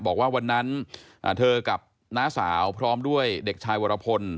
บอกว่าวันนั้นเธอกับน้าสาวพร้อมด้วยเด็กชายวรพล